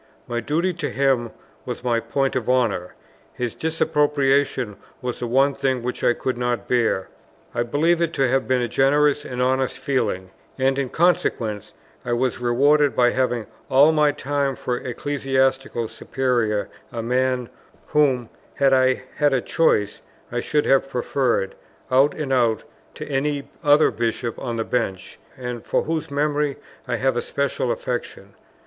My duty to him was my point of honour; his disapprobation was the one thing which I could not bear. I believe it to have been a generous and honest feeling; and in consequence I was rewarded by having all my time for ecclesiastical superior a man, whom, had I had a choice, I should have preferred, out and out, to any other Bishop on the Bench, and for whose memory I have a special affection.